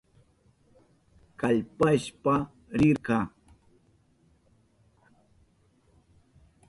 Kallpashpa rirka.